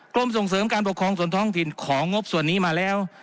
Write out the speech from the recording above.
กรมส่งเสริมการปกครองส่วนท้องถิ่นของงบส่วนนี้มาแล้ว